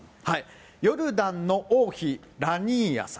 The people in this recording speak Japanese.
ヨルダンの王妃、ラーニアさん。